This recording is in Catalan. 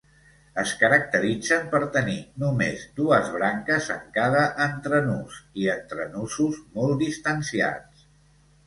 Es caracteritzen per tenir, només, dues branques en cada entrenús i entrenusos molt distanciats.